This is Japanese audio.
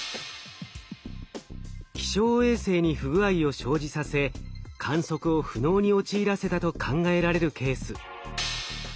気象衛星に不具合を生じさせ観測を不能に陥らせたと考えられるケース。